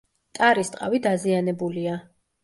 ტარის ტყავი დაზიანებულია.